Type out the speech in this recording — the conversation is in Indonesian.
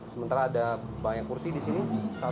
sementara ada penumpang yang berada di bawah